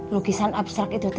lukisan abstrak itu